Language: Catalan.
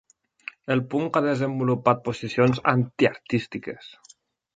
El Punk ha desenvolupat posicions anti-artístiques.